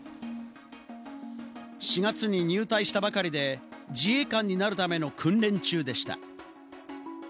４月に入隊したばかりで、自衛官になるための訓練中でした。